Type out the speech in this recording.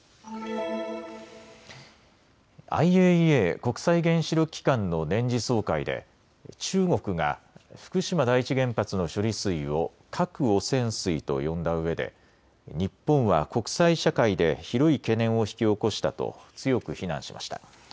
ＩＡＥＡ・国際原子力機関の年次総会で中国が福島第一原発の処理水を核汚染水と呼んだうえで日本は国際社会で広い懸念を引き起こしたと強く非難しました。